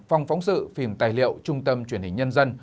phòng phóng sự phim tài liệu trung tâm truyền hình nhân dân